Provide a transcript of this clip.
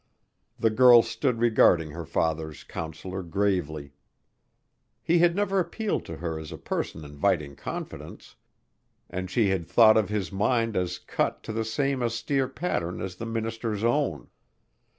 The girl stood regarding her father's counselor gravely. He had never appealed to her as a person inviting confidence, and she had thought of his mind as cut to the same austere pattern as the minister's own.